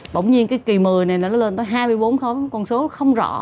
bỗng nhiên cái kỳ một mươi này nó lên tới hai mươi bốn khó con số không rõ